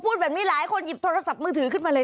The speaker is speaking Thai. พูดแบบนี้หลายคนหยิบโทรศัพท์มือถือขึ้นมาเลย